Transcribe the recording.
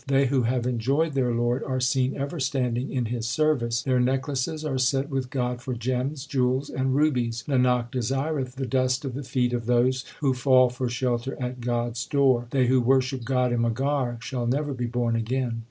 They who have enjoyed their Lord are seen ever standing in His service. Their necklaces are set with God for gems, jewels, and rubies. Nanak desireth the dust of the feet of those who fall for shelter at God s door. They who worship God in Maghar shall never be born again.